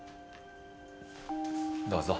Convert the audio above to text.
どうぞ。